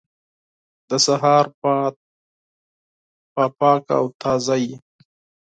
د سهار هوا پاکه او تازه وه.